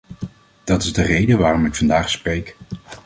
Dat is de reden waarom ik vandaag spreek.